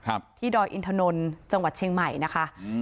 ครับที่ดอยอินทนนท์จังหวัดเชียงใหม่นะคะอืม